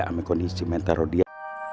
sama kondisi mental ro dia